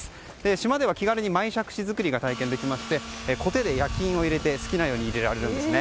島では気軽にマイ杓子作りが体験できてこてで焼きを入れて好きなように入れられるんですね。